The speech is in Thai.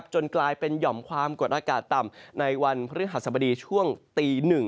จนกลายเป็นหย่อมความกดอากาศต่ำในวันพฤหัสบดีช่วงตี๑